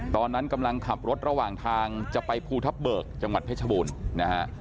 ตอนนั้นกำลังขับรถระหว่างทางจะไปภูทับเบิกจังหวัดเพชรบูรณ์นะฮะ